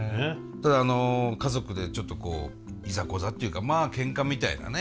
ただあの家族でちょっといざこざっていうかまあけんかみたいなね